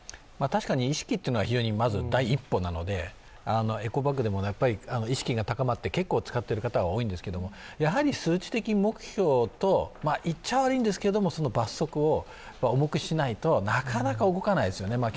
確かに意識はまず第一歩なのでエコバッグでも意識が高まって結構使っている方は多いんですけれども、やはり数値的目標と、言っちゃ悪いんですけど、罰則を重くしないとなかなか動かないですよね。